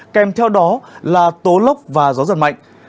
kèm theo đó là tố lốc và gió giật mạnh